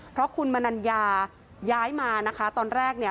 เพราะคุณมนัญญาย้ายมานะคะตอนแรกเนี่ย